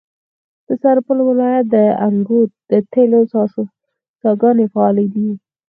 د سرپل ولایت د انګوت د تیلو څاګانې فعالې دي.